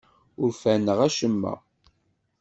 Ur ferrneɣ acemma.